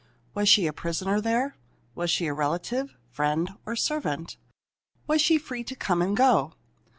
Was she a prisoner there? Was she a relative, friend, or servant? Was she free to come and go?